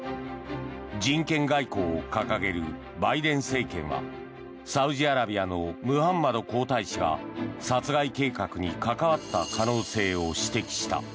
人権外交を掲げるバイデン政権はサウジアラビアのムハンマド皇太子が殺害計画に関わった可能性を指摘した。